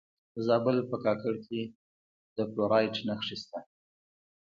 د زابل په کاکړ کې د فلورایټ نښې شته.